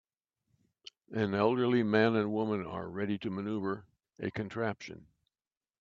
An elderly man and woman are ready to maneuver a contraption.